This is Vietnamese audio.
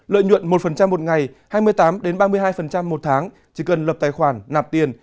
lợi nhuận một một ngày hai mươi tám ba mươi hai một tháng chỉ cần lập tài khoản nạp tiền